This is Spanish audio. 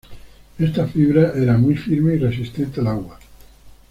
Esta fibra era muy firme y resistente al agua.